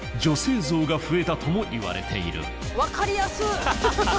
分かりやすっ！